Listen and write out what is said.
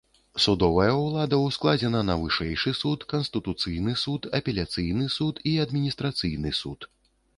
Судовая ўлада ўскладзена на вышэйшы суд, канстытуцыйны суд, апеляцыйны суд і адміністрацыйны суд.